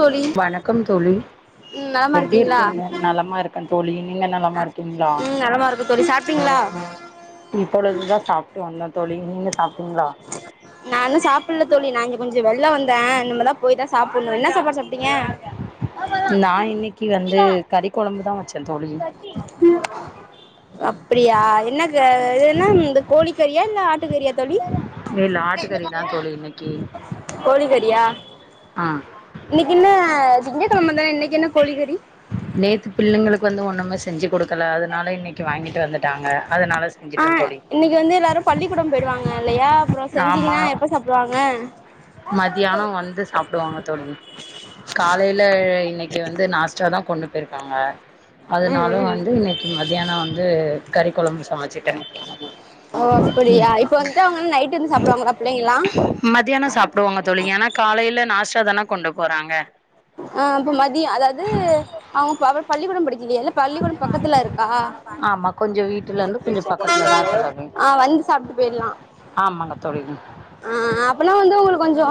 தோழி வணக்கம் தோழி ம் நலமா இருக்கீங்களா நலமா இருக்கந் தோழி நீங்க நலமா இருக்கீங்ளா சிங்ளா இப்பொழுதுதா சாப்ட்டு வந்தந் தோழி நீங்க சாப்ட்டீங்ளா நா இன்னு சாப்பில்லத் தோழி நா இங்க கொஞ்ச வெள்ல வந்தே இனுமதா போய்தா சாப்புன்னு இன்னா சாப்பாடு சாப் ட்டிங்க நா இன்னைக்கு வந்து கறி கொழம்புதா வச்சே தோழி அப்பிடியா என்னக்கு இது என்ன இந்தக் கோழிக் கறியா இல்ல ஆட்டுக்கறியா தோழி இல்ல ஆட்டுக்கறிதா தோழி இன்னைக்கு கோழிக் கறியா ஆ இன்னிக்கி என்ன திங்கக்கெழமதான இன்னைக்கு என்ன கோழி கறி நேத்து பிள்ளைங்களுக்கு வந்து ஒன்னுமே செஞ்சி குடுக் க்கல அதனால இன்னைக்கி வாங்கிட்டு வந்துட்டாங்க அதனால ஆ செஞ்சிட்டோந் தோழி இன்னைக்கு வந்து எல்லாரும் பள்ளிக்கூடம் போயிடுவாங்க இல்லயா அப்றோ செஞ்சீங்கினா எப்போ சாப்டுவாங்க மத்தியானோ வந்து சாப்டுவாங்க தோழி காலைல இன்னைக்கி வந்து நாஸ்ட்டாதா கொண்டு போயிருக்காங்க ம் அதுனாலு ம் வந்து இன்னைக்கி மதியானோ வந்து கறி கொழம்பு சமச்சிட்டே ஓ அப்டியா இப்ப வந்துட்டு அவுங்கன் நைட்டு இந்து சாப்டுவாங்களா பிள்ளைங்களா மதியானோ சாப் ப்டுவாங்கத் தோழி எனாக் காலைல நாஸ்டாதான கொண்டு போறாங்க அ இப்போ மதியோ அதாது அவுங்க ப அப்ப பள்ளிக்கூடம் படிக்கிலயா இல்ல பள்ளிக்கூடம் பக்கத்துல இருக் கா ஆமா கொஞ்சோ வீட்டுல இருந்து கொஞ்சோ பக்கத்துல தான் இருக்கு தோழி ஆ வந்து சாப்ட்டு போயில்லா ஆமாங்க தோழி ஆ அப்பனா வந்து உங்குளு கொஞ்சோ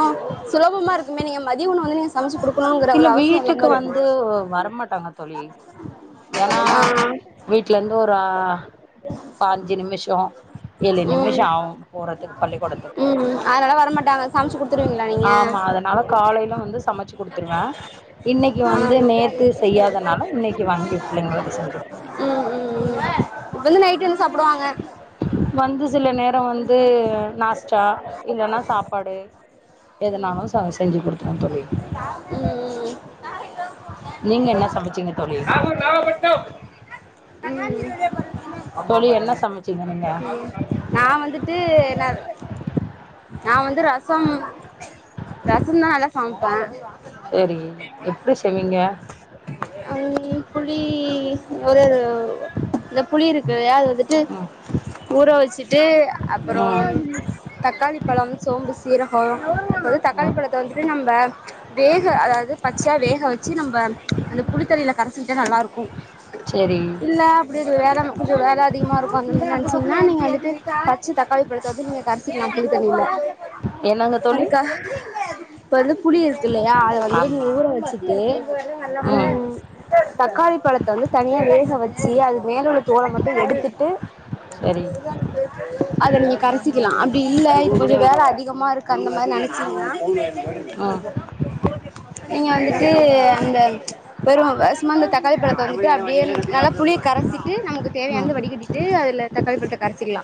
சுலபமா இருக்குமே நீங்க மதியோ உணவு வந்து நீங்க சமச்சி குடுப் இல்ல வீட்டுக்கு வந்து வரமாட்டாங்க தோழி எனா ஆ வீட்ல இருந்து ஒரு ஒரு அஞ்சு நிமிஷோ ஏழு ம் நிமிஷோ ஆவு போறதுக்கு பள்ளிக்கூடத்துக்கு சமச்சி குடுத்துருவீங் ஆமா அதனால காலைல வந்து சமச்சு குடுத் துடுவே இன்னைக்கு ஆ வந்து நேத்து செய்யாதனால இன்னைக்கு வாங்கி புள்ளைங்களுக்கு செஞ்சு கொ ம் ம் ம் இப்ப வந்து நைட் என்ன சாப்டுவாங்க வந்து சில நேரோ வந்து நாஸ்டா இல்லன்னா சாப்பாடு எதனாலு செஞ்சு கொடுத்துடுவே தோழி ம் ம் ம் நீங்க என்ன சமச்சீங்க தோழி ம் ம் தோழி என்ன ம் சமைச்சீங்க நீங்க நா வந்துட்டு என்ன நா வந்து ரசம் ரசம்தா நல்லா சமைப்பே சேரி எப்டி செய்வீங்க ம் புளி ஒரு இந்த புளி இருக்கு அது வந்து ம் ஊற வச்சுட்டு அப்புறோ ம் தக்காளி பழோம் சோம்பு சீரகோ அதது தக்காளி ம் பழத்த வந்துட்டு நம்ம வேக அதாவது பச்சையா வேக வச்சு நம்ம அந்த புளித்தண்ணில கரைசிட்டா நல்லா இருக்கு சேரி இல்ல அப்டியது வேலை கொஞ்சோ வேலை அதிகமா இருக்கு அப்டிட்டு நெனைச்சிங்கன்னா நீங்க வந்துட்டு பச்ச தக் காளி பழத்த வந்து நீங்க கரசிக்கலா புளி தண்ணில என்னங்க தோழி அதுக்கா இப்ப வந்து புளி இரு கு இல்லையா அத வந்துட்டு நீங்க ஆமா ஊற வச்சுட்டு ம் தக்காளி பழத்த வந்து தனியா வேக வச்சு அது மேல உள்ள தோல மட்டு எடுத்துடு சரி அத நீங்க கரச்சிக்கலா அப்டி இல்ல இது கொஞ்சோ வேல அதிகமா இருக்கு அந்த மாரி நெனைச்சிங்கனா ம் நீங்க வந்துட்டு அந்த வெரு சும்மா அந்த தக்காளி பழத்த வந்துட்டு அப்டியே நல்லா புளிய கரைச்சிட்டு நமக்கு ம் தேவையானத வடிகட்டிட்டு அதுல தக்காளி பழத்த கரச்சிக்கலா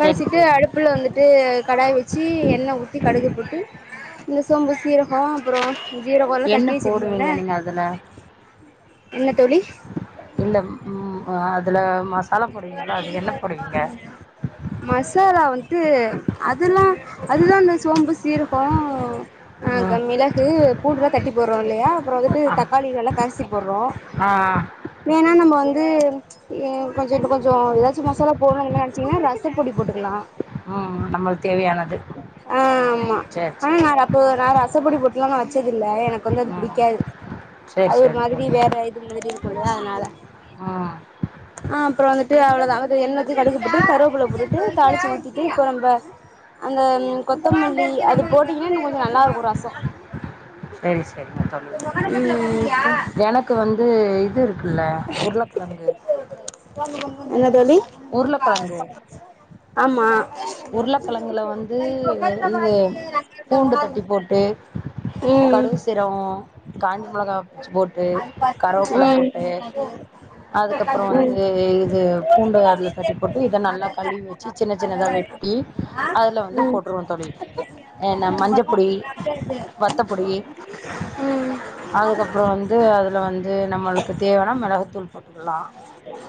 சேரி கரச்சிட்டு சேரிங்க அடுப்புல தோழி வந்துட்டு கடாய வச்சு எண்ண ஊத்தி கடுகு போட்டு இந்த சோம்பு சீரகோ அப்புறோ ஜீரகோ எல்லா என்ன தட்டி வச்சிருந்தீங்கல போடுவீங்க நீங்க அதுல என்ன தோழி இல்ல ம் ஆ அதுல மசாலா போடுவீங்கள அது என்ன போடுவீங்க மசாலா வந்துடு அதல்லா அதுதா இந்த சோம்பு சீரகோ அ க ம் மிளகு பூண்டெல்லா தட்டி போடுறோ இல்லையா அப்றோ வந்துட்டு தக்காளிகள் நல்லா கரசி போடுறோ ஆ ஆ வேணா நம்ம வந்து எ கொஞ்சம் கொஞ்சோ ஏதாச்சு மசாலா போடணு அது மாரி நெனைச்சீங்கன்னா ரசப்பொடி போட்டுக்கலா நம்மளுக்கு தேவையானது சேரி சேரி இப்போ நா ரசப்பொடி போட்டுலா நா வச்சது இல்ல எனக்கு வந்து அது ம் பிடிக்காது சேரி அது ஒரு சேரி மாதிரி தோழி வேற மாதிரி இருக்குல அதனால ஆ ஆ அப்புறோ வந்துட்டு அவ்ளவுதா அத எண்ண ஊத்தி கடுக்கு போட்டு கருவேப்புள்ள போட்டுட்டு தாளிச்சு ஊத்திட்டு இப்ப நம்ப அந்த கொத்தமல்லி அது போட்டீங்கன்னா இன்னு கொஞ்சோ நல்லா இருக்கு ரசோ சேரி ம் சேரிங்க ம் ம் க்கு வந்து இது இருக்குல்ல உருளகெழங்கு என்ன தோழி உருளக்கெழங்கு ஆமா உருளக்கெழங்குல வந்து இது ம் கடுவு சிரவோ காஞ்சி மெளகா பிச்சி போட்டு கருவேப்புல ம் போட்டு அதுக்கப்புற வந்து இது பூண்டு அதுல தட்டி போட்டு இத நல்லா கழுவி வச்சு சின்ன சின்னதா வெட் டி அதுல வந்து ம் போட்ருவோ தோழி ஏன்னா மஞ்சப்பொடி [unintelligible] ம் அதுக்கப்புறோ வந்து அதில வந்து நம்மளுக் க்கு தேவனா மெளகுத்தூள் போட்டுக்கலா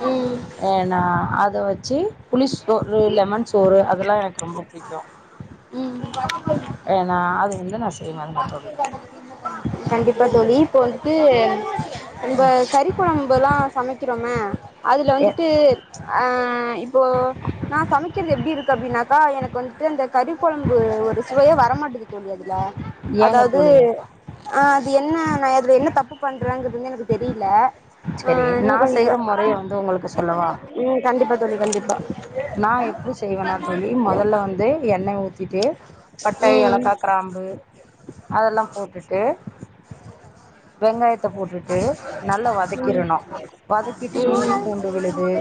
ம் ஏனா அத வச்சு புளி சோறு லெமன் சோறு அதெல்லா எனக்கு ரொம்ப புடிக்கு ம் ஏனா ஆது வந்து நா செய் கண்டிப்பா தோழி இப்ப வந்துட்டு நம்ப கறி கொழம்புல்லா சமைக்கிறோம அதுல ஏ வந்துட்டு ஆ இப்போ நா சமைக்றது எப்டி இருக்கு அப்டின்னாக்கா எனக்கு வந் து இந்த கறி கொழம்பு ஒரு சுவையெ வரமாட்டது தோழி அதுல ஏங்க அதாது தோழி ஆ அது என்ன நா அதுல தப்பு பண்றேங்கது வந்து எனக்கு தெரில ஆ சரி நீ நான் கொஞ்ச செய்கிற முறைய வந்து உங்களுக்கு ம் கண்டிப்பா தோழி கண்டிப்பா நா எப்டி செய்வன்னா தோழி மொதல்ல வந்து எண்ணய் ஊத் திட்டு பட்ட ம் எலக்கா க்ராம்பு அதெல்லாம் போட்டுட்டு வெங்காயத்த போட்டுட்டு நல்லா வதக்கிரணு வதக்கிட்டு இஞ்சி ம் பூண்டு விழுது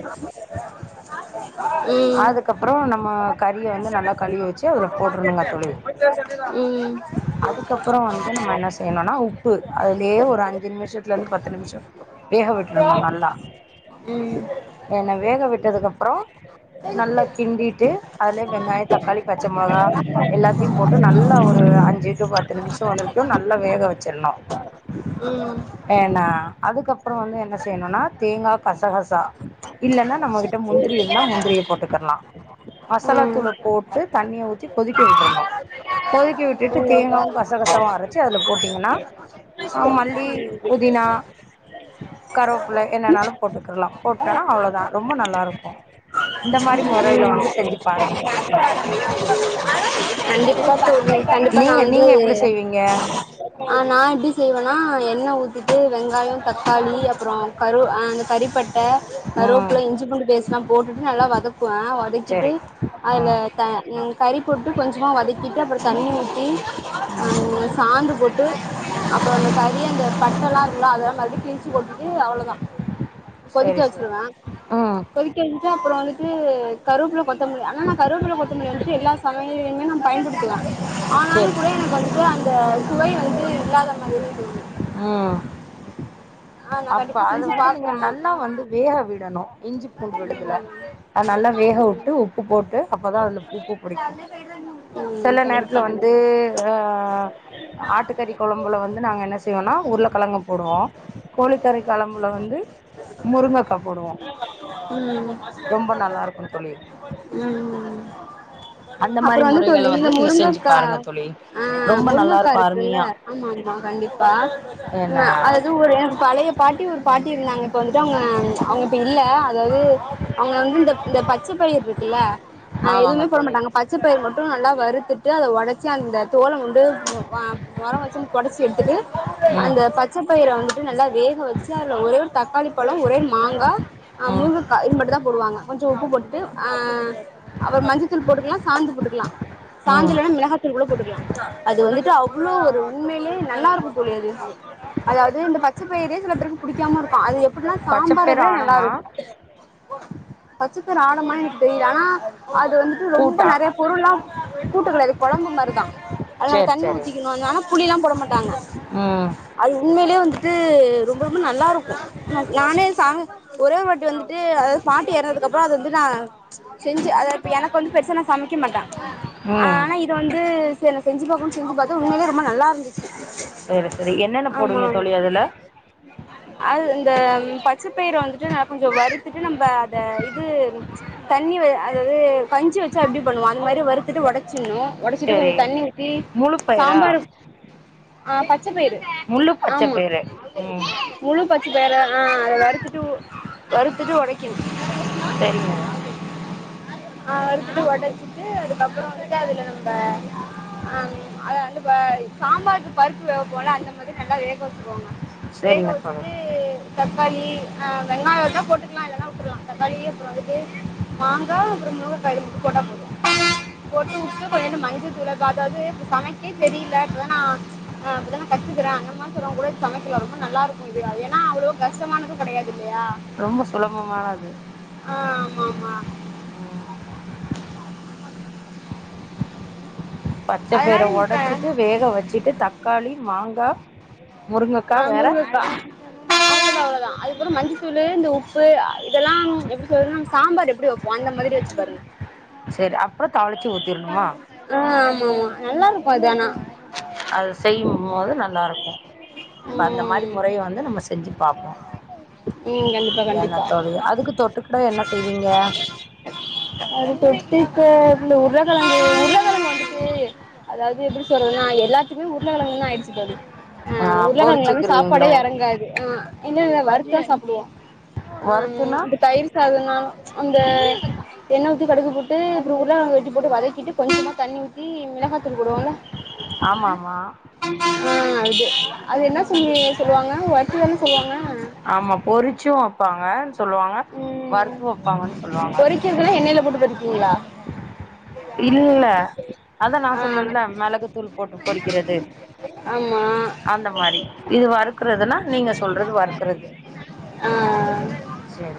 ம் அதுக்கப்ற நம்ம கறிய வந்து நல்லா கழுவி வச்சு அதில போட்ருணுங்க தோழி ம் அதுக்கப்புற வந்து நம்ம என்ன செய்யணுனா உப்பு அதுலயே ஒரு அஞ்சு நிமிஷத் துல இருந்து பத்து நிமிஷோ வேக விட்றணு நல்லா ம் என்ன வேக விட்டதுக்கு அப்புறோ நல்லா கிண்டிட்டு அதுலய வெங்காய தக்காளி பச்ச மொளகா எல்லாத்தையு போட் டு நல்லா ஒரு அஞ்சு டு பத்து நிமிஷோ வந்திருக்கு நல்லா வேக வச்சிருணு ஏனா அதுக்கப்புற வந்து என்ன செய்யணுனா தேங்கா கசகசா இல்லன்னா நம்மகிட்ட முந்திரி இருந்தா முந்திரிய போட்டுக்கலா மசாலா தூள ம் போட் டு தண்ணிய ஊத்தி கொதிக்க விட்றணு கொதிக்க விட்டுட்டு ம் ம் தேங்காவு கசகசாவு அரச்சு அதுல போட்டீங்கன்னா ஆ மல்லி புதினா கருவேப்புல என்னென்னாலு போட்டுக்கிர்லா போட்டனா அவ்ளதா ரொம்ப நல்லாருக்கு இந்த மாரி முறையில [unintelligible] வந்து செஞ்சு பாருங்க தோழி ம் கண்டிப்பா தோழி கண்டிப்பா நா நீங்க வந்து நீங்க எப்டி செய்வீங்க ஆ நா எப்டி செய்வனா எண்ண ஊத்திட்டு வெங்காயோ தக்காளி கரு அந்த கரிப்பட்ட ம் கரோப்புலா இஞ்சி பூண்டு பேஸ்ல்லா போட்டுட்டு நல்லா வதக்குவ வதக்கிட்டு சரி அதுல ம் த கறி போட்டு கொஞ்சமா வதக்கிட்டு அப்புற தண்ணி ஊத்தி ம் அ சாந்து போட் ட்டு அப்புற அந்த கரி அந்த பட்டல்லா இருக்குள்ள அதெல்லா கிழிச்சு போட்டுட்டு அவ்ளதா கொதிக்க சரி சரி வச்சிருவ ம் கொதிக் திக்க வச்சுட்டு அப்ற வந்துட்டு கருப்பில கொத்த மல்லி ஆனா நா கருப்புல கொத் வந்து எல்லா சமையலுமே நா பயன்படுத்துவே ஆனாலு சரி கூட சரி எனக்கு வந்துட்டு அந் த சுவை வந்து இல்லாத மாதிரியே தோனுது உம் ஆ நா அப்ப கண்டிப்பா அத செஞ்சு வந்து நீங்க பாக்குறே நல்லாவந்து வேக விடணு இஞ்சி பூண்டு விழுதுல ம் அ நல்லா வேக வுட்டு உப்பு போட்டு அப்பதா அந்த பூப்பு பிடிக்கு ம் ம் சில நேரத் ப்புல கண்டிப்பா வந்து கண்டிப்பா ஆ ஆட்டுக்கறி கொழம்புல வந்து நாங்க என்ன செய்வோன்னா உர்ளகெழங்கு போடுவோ கோழிக்கரிக்கழம்புல வந்து முருங்கக்கா போடுவோ ரொம்ப நல்லாருக்கூ தொழி உம் அந்த அப்புற மாரி வந்து தோழி முறைகள இந்த நீங்க செஞ்சு முருங்கக்கா பாருங்க தோழி ஆ ரொம்ப நல்லா இருக்கு முருங்கக்காருக்குல்ல அருமையா ஆம்மா ஆம்மா கண்டிப்பா என்ன அ அதுஒரு பழைய பாட்டி ஒரு பாட்டி இருந்தாங்க ப்ப வந்துட்டு அவுங்க இப்ப இல்ல அதாவ்து அவுங்க வந்து இந்த இந்த பச்ச பயிர்ருக்குல்ல அ ஆமாங்க எதுவுமே தோழி போடமாட்டாங்க பச்சப்பயிர் மட்டு நல்லா வறுத்துட்டு அத ஒடச்சி அந்த தோலஉண்டு மொ அ மொரொ வச்சு பொடச்சு எடுத்துட்டு ம் அந்த பச்சபயிர வந்து நல்லா வேக வெச்சு அதுல ஒரே ஒரு தக்காளிபழொ ஒரேஒரு மாங்கா ஆ ம் முருகக்கா இது மட்டு தா போடுவாங்க கொஞ்ச உப்பு போட்டுட்டு அ அப்புற மஞ்சதூள் போட்டுக்கலா சாந்து போட்டுக்கலா சாந்து ம் இல்லன‌ மிளகா தூள்கூட போட்டுக்குல்லா அது வந்துட்டு அவ்ளோ ஒரு உண்மையிலே நல்லார்க்கூ தோழி அது அதாவ்து இந்த பச்சபயிரே சில பேருக்குப் புடிக்காமருக்கு அது எப்புட்னா சாம்பாரு பச்சப்பேர் விட ஆனமா நல்லாருக்கூ பச்சபேரு ஆடம்மா எனக் தெரியல ஆனா அது வந் ரொம்ப கூட்டா நெறைய பொருள்ளா கூட்டக்கடயாது கொழம்பு மாரிதா அது நம்ம சரி தண்ணி சரி ஊத்திக்கணு ஆனா புளிலா போடமட்டாங்க ம் அது உண்மையிலே வந்து ட்டு ரொம்ப ரொம்ப நல்லாருக்கு நானே சா ஒரேவொருவாட்டி வந்துட்டு அதாது பாட்டி ஏறந்ததுக்கு அப்புற அதுவந்து நா செஞ்சு அத ப்ப எனக்கு வந்து பெருச நா சமைக்க மாட்டெ ம் ஆனா இத வந்து செ நா செஞ்சு பாக்குன் செஞ்சு பாத்த உண்மைலே ரொம்ப நல்லாருந்துச்சு சேரி சேரி என்னென்ன போடுவீங்க தோழி அதுல் உம் அ இந்த பச்சைப்பயிர வந்துட்டு ந கொஞ்சொ வறுத்துட்டு நம்ப அத இது தண்ணி வ அதாவ்து கஞ்சி வச்சா எப்டி பண்ணுவோ அந்மாரி வறுத்துட்டு உடச்சின்ணு ஒடச்சிட்டு கொஞ்சொ சரி தண்ணி ஊத்தி முழு பயிரா சாம்பாரு ஆ பச்சபயிறு ஆம்மா எ உம் முழு பச்சபயறா ஆ அத வறுத்துட்டு வறுத்துட்டு ஒடக்கிணு சரிங்க ஆ வறுத்துட்டு ஒடச்சிட்டு அதுக்கப்பற வந்துட்டே அதுல நம்ப ஆங் அத வந்து ப சாம்பாருக்கு பருப்பு வேபோம்ல அந்த மாதிரி நல்லா வேக வெச்சு வேக சரிங்க தோழி வெச்சுட்டு தக்காளி ஆஹ் வெங்காயொ வெச்சா போட்டுக்லா இல்லனா வுட்டுர்லா தக்காளி அப்பறொ அதுக்கு மாங்க அப்பற முருங்கா இது மட்டு போட்டா போது போட்டுஉட்டு கொஞ்சொண்டு மஞ்சதூளகதாவ்து சமைக்கே தெரியில இப்பதா நா அ அப்பதா கத்துக்கிறே அந்த மார்சொல்றவுங் கூட சமைக்குலா ரொம்ப நல்லாருக்கு இது அது ஏன்னா அவ்வளவே கஷமானதூ கெடையாது இல்லையா ரொம்ப சுலபமான அது ஆ ஆமா ஆமா ம் அதனால பச்சப்பயிர நீங்க உடைச்சுட்டு வேக வச்சுட்டு தக்காளி மாங்கா ஆ முருகக்கா அதுகப்றோ அவ்ளோதா அதுக்கப்றோ மஞ்ச தூள் உப் இப்ப இதெல்லாம் எப்டி சொல்றதுன்னா சாம்பார் எப்டி வப்போ அந்த மாதிரி வச்சு பாருங்க செரி அப்புறம் தாளிச்சு ஊத்திர்ணுமா ஆ ஆமா ஆமா நல்லா இருக்கு அது அனா அது செய்யும் போது நல்லா இருக்கு இப்ப அந்த மாரி ம் முறைய வந்து நம்ம செஞ்சு பாப்போ ம் கண்டிப்பா என்ன கண்டிப்பா தோழி அதுக்கு தொட்டுக்கிட என்ன செய்வீங்க அது தொட்டுக்க இந்த உருளகிழங்கு அதாவது எப்டி சொல்றதுன்னா எல்லாத்துக்குமே உருளகிழங்குன் தா ஆயிடுச்சு தோழி ஆ உருள கிழங்கு இல்லனா சாப்பாடே எறங்காது ஆ இல்ல இல்ல வருத்தா சாப்புடுவோ ஆம் வறுத்துனா இந்த தயிர் சாதோனாலு அந்த எண்ண ஊத்தி கடுகு போட்டு அப்றொ உருள கிழங்கு வெட்டி போட்டு வதகி ட்டு கொஞ்சமா தண்ணி உத்தி மிளகா தூள் போடுவோல ஆமா ஆமா ஆ அது அது என்ன சொல்லி சொல்லுவாங்க வர்த்து தான சொல்லுவாங்க ஆமா பொறிச்சு வப்பாங்க சொல்லுவாங்க வருத்து வப்பாங்கன் சொல்வாங்க ல்ல எண்ணெய்ல போட்டு பொருபீங்ளா இல்ல அதா நா ஆ சொன்னன்ல மிளகுத்தூள் போட்டு பொறிக்கிறது ஆமா அந்த மாரி இது வறுக்குறதுன்னா நீங்க சொல்றது வறுக்குறது ஆ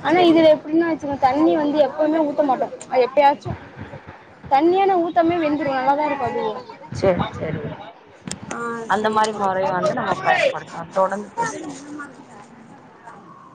ஆன சரி இதுல எப்டின்னா வச்சுக்க தண்ணி வந்து எப்பவுமே ஊத்த மாட்டோ எப்பயாச்சு தண்ணியெ ஆனா ஊத்தாமே வெந்துரு நல்லாதா இருக்கு அது சேர் செரி அந்த மாரி முறைய வந்து நம்ம பயன்படுத்வொ தொடர்ந்து பேசுவோ